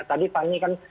tadi fanny kan